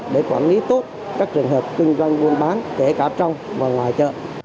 để quản lý tốt các trường hợp kinh doanh buôn bán kể cả trong và ngoài chợ